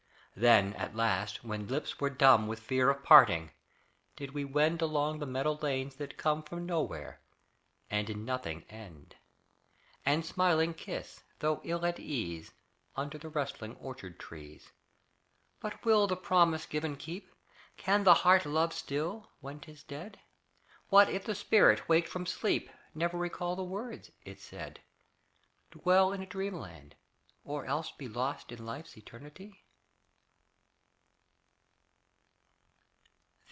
Then, at last, when lips were dumb With fear of parting, did we wend Along the meadow lanes that come From nowhere, and in nothing end, And, smiling, kiss, though ill at ease, Under the rustling orchard trees. But will the promise given keep? Can the heart love still when 'tis dead? What if the spirit, waked from sleep, Never recall the words it said? Dwell in a dreamland, or else be Lost in life's eternity?